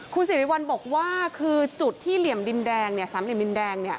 คุณศิริวัลบอกว่าจุดที่เหลี่ยมดินแดงสามเหลี่ยมดินแดง